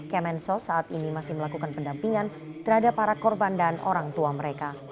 kemensos saat ini masih melakukan pendampingan terhadap para korban dan orang tua mereka